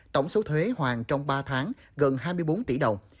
tổng số thuế hoàn trong ba tháng gần hai mươi bốn tỷ đồng